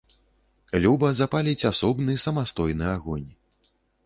Люба запаліць асобны, самастойны агонь.